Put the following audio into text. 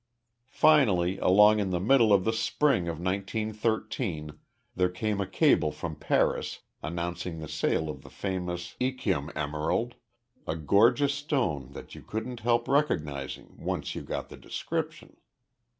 Finally, along in the middle of the spring of nineteen thirteen, there came a cable from Paris announcing the sale of the famous Yquem emerald a gorgeous stone that you couldn't help recognizing once you got the description.